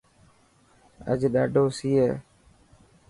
اڄ ڏاڌو سي هي.